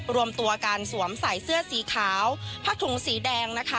รวมตัวการสวมใส่เสื้อสีขาวผ้าถุงสีแดงนะคะ